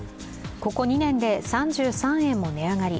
ここ２年で３３円も値上がり。